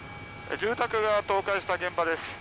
住宅が倒壊した現場です。